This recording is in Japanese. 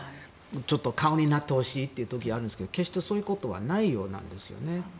ちょっと顔になってほしいという時はありますけど決して、そういうことはないようなんです。